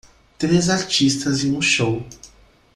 Três artistas em um show.